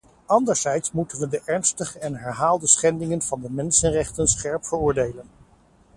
Anderzijds moeten we de ernstige en herhaalde schendingen van de mensenrechten scherp veroordelen.